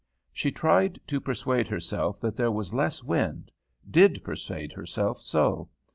She tried to persuade herself that there was less wind, did persuade herself so.